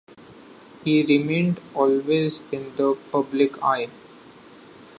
He remained always in the public eye.